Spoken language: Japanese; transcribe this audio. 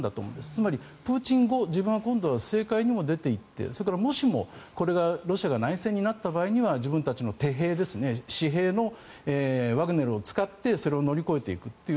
つまりプーチン後、自分は今度政界にも出ていってそれからもしもこれがロシアが内戦になった場合には自分たちの手兵、私兵のワグネルを使ってそれを乗り越えていくという。